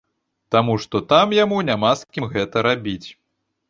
Таму што там яму няма з кім гэта рабіць.